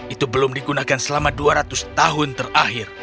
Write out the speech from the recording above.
itu belum digunakan selama dua ratus tahun terakhir